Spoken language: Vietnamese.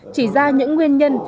chỉ ra những nguyên nhân